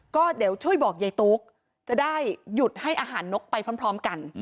ก็เดี๋ยวช่วยบอกยายตุ๊กจะได้หยุดให้อาหารนกไปพร้อมกัน